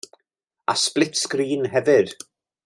A sblit-sgrin hefyd.